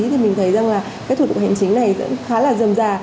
thì mình thấy rằng là cái thủ tục hành chính này vẫn khá là dầm già